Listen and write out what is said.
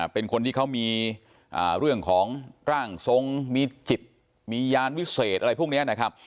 เป็นคนที่เขามีเรื่องของร่างทรงมีจิตมียานวิเศษอะไรพวกนี้นะครับ